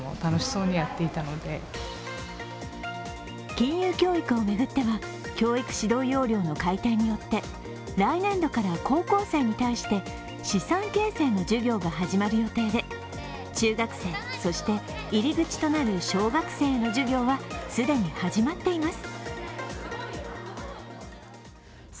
金融教育を巡っては教育指導要領の改訂によって来年度から高校生に対して、資産形成の授業が始まる予定で中学生、そして入り口となる小学生への授業は既に始まっています。